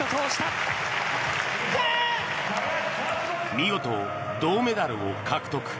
見事、銅メダルを獲得。